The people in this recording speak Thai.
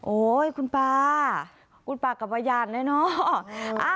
โอ้ยคุณป้าคุณป้ากลับมายันต์เลยเนอะ